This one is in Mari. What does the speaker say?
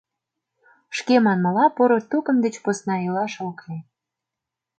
Шке манмыла, поро тукым деч посна илаш ок лий.